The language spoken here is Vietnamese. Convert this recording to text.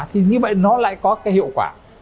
thì như vậy nó lại có cái hiệu quả